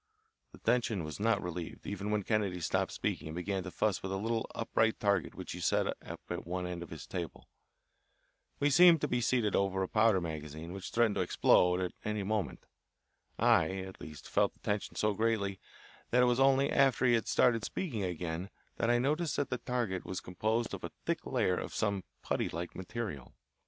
The tension was not relieved even when Kennedy stopped speaking and began to fuss with a little upright target which he set up at one end of his table. We seemed to be seated over a powder magazine which threatened to explode at any moment. I, at least, felt the tension so greatly that it was only after he had started speaking again, that I noticed that the target was composed of a thick layer of some putty like material.